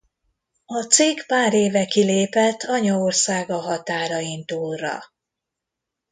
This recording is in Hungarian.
A cég pár éve kilépett anyaországa határain túlra.